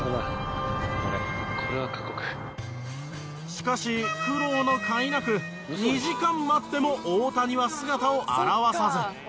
しかし苦労のかいなく２時間待っても大谷は姿を現さず。